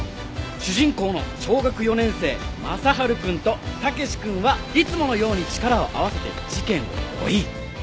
主人公の小学４年生マサハルくんとタケシくんはいつものように力を合わせて事件を追い。